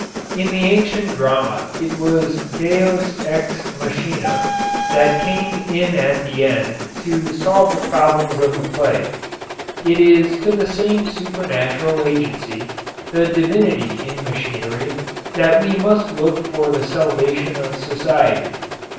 In the ancient drama it was deus ex machina that came in at the end to solve the problems of the play. It is to the same supernatural agency, the divinity in machinery, that we must look for the salvation of society.